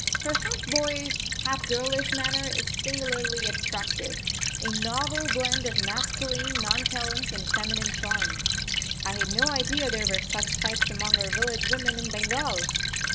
Her half boyish, half girlish manner is singularly attractive a novel blend of masculine nonchalance and feminine charm. I had no idea there were such types among our village women in Bengal.